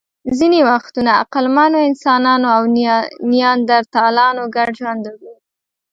ځینې وختونه عقلمنو انسانانو او نیاندرتالانو ګډ ژوند درلود.